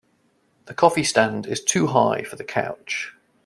The coffee stand is too high for the couch.